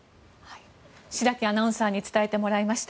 白木アナウンサーに伝えてもらいました。